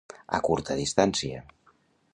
A curta distància.